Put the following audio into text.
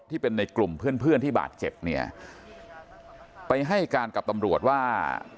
ที่เป็นในกลุ่มเพื่อนเพื่อนที่บาดเจ็บเนี่ยไปให้การกับตำรวจว่า